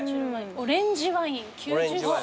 オレンジワイン９０種類。